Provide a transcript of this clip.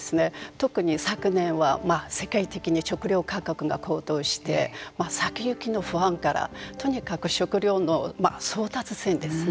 特に昨年は世界的に食料価格が高騰して先行きの不安からとにかく食料の争奪戦ですね